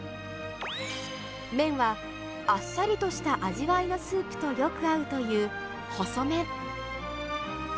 麺は、あっさりとした味わいのスープとよく合うという細麺。